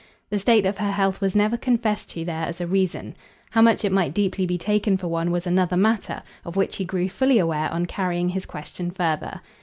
The state of her health was never confessed to there as a reason. How much it might deeply be taken for one was another matter; of which he grew fully aware on carrying his question further.